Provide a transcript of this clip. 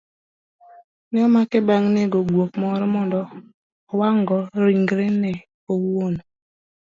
Ne omake bang' nego guok moro mondo owang'go ringrene owuon